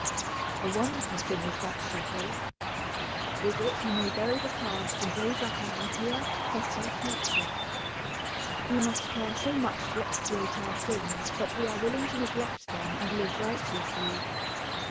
A wonderful thing is that shovel. With it he may bury the past and raise up a happier, better future. We must care so much to expiate our sins that we are willing to neglect them and live righteously.